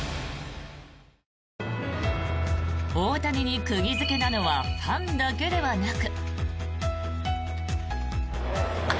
大谷に釘付けなのはファンだけではなく。